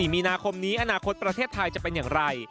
มีนาคมนี้อนาคตประเทศไทยจะเป็นอย่างไร